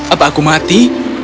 apakah aku mati